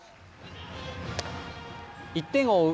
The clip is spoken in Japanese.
１点を追う